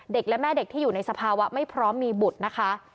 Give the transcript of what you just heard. เด็กและแม่เด็กที่อยู่ในสภาวะไม่พร้อมมีบุตรนะคะ